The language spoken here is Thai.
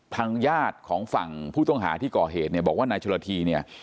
ทางญาติของฝั่งผู้ต้องหาที่ก่อเหตุเนี่ยบอกว่านายชลธีเนี่ย